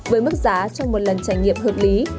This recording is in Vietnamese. với mức giá trong một lần trải nghiệm hợp lý